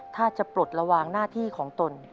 ถ้าจะปลดระวังหน้าที่ของตน